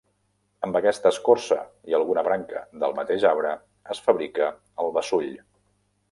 Amb aquesta escorça i alguna branca del mateix arbre es fabrica el beçull.